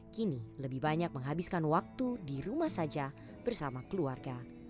kini lebih banyak menghabiskan waktu di rumah saja bersama keluarga